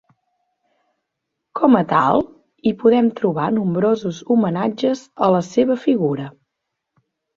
Com a tal, hi podem trobar nombrosos homenatges a la seva figura.